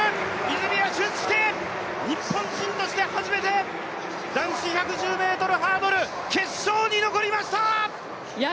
泉谷駿介、日本人として初めて男子１１０ｍハードル、決勝に残りました！